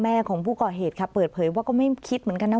ของผู้ก่อเหตุค่ะเปิดเผยว่าก็ไม่คิดเหมือนกันนะ